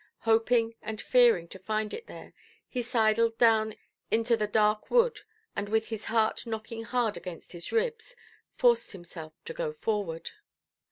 Hoping and fearing to find it there, he sidled down into the dark wood, and with his heart knocking hard against his ribs, forced himself to go forward.